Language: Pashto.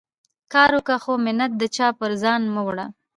کار وکه، خو مینت د چا پر ځان مه وړه.